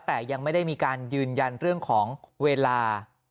แต่ยังไม่ได้มีการยืนยันเรื่องของเวลา